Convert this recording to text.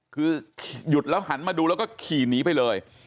คือหยุดแล้วหันมาดูแล้วก็ขี่หนีไปเลย